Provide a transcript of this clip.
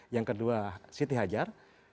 yang kedua siti hajar